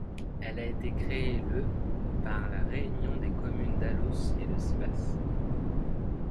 Elle a été créée le par la réunion des communes d'Alos et de Sibas.